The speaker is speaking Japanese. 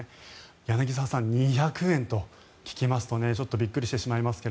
柳澤さん、２００円と聞きますとちょっとびっくりしてしまいますが。